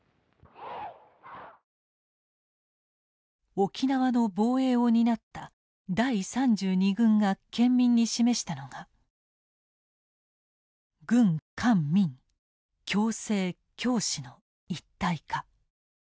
沖縄の防衛を担った第３２軍が県民に示したのが「軍官民共生共死の一体化」。